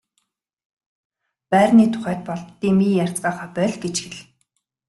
Байрны тухайд бол дэмий ярьцгаахаа боль гэж хэл.